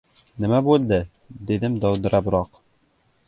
— Nima bo‘ldi? — dedim dovdirabroq.